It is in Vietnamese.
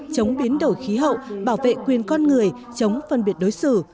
chống biến đổi khí hậu bảo vệ quyền con người chống phân biệt đối xử